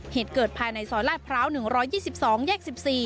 เหตุเกิดภายในซอยลาดพร้าว๑๒๒แยก๑๔